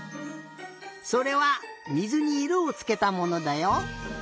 それはみずにいろをつけたものだよ。